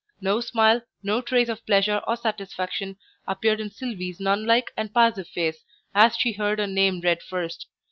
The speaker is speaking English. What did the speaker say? No smile, no trace of pleasure or satisfaction appeared in Sylvie's nun like and passive face as she heard her name read first.